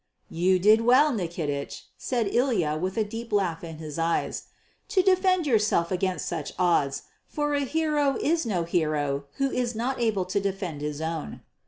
"You did well, Nikitich," said Ilya with a deep laugh in his eyes, "to defend yourself against such odds, for a hero is no hero who is not able to defend his own."